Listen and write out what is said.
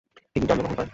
তিনি জন্ম গ্রহণ করেন।